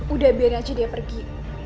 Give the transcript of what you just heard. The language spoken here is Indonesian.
udah biarin aja dia pergi